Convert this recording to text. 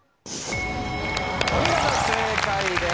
お見事正解です。